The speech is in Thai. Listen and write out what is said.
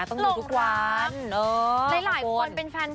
ต้องดูทุกวันนะครับผมเนี่ยขัวโวนล่งร้าง